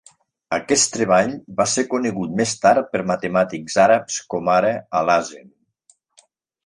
Aquest treball va ser conegut més tard per matemàtics àrabs com ara Alhazen.